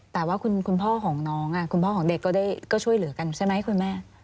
แต่ว่าคุณพ่อของน้องคุณพ่อของเด็กก็ช่วยเหลือกันใช่ไหมคุณแม่